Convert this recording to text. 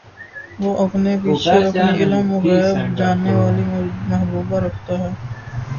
وہ اپنے پیچھے اپنی علمِغیب جاننے والی محبوبہ رکھتا ہے